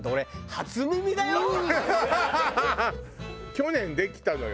去年できたのよ。